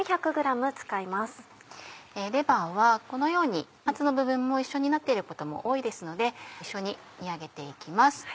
レバーはこのようにハツの部分も一緒になっていることも多いですので一緒に煮上げて行きます。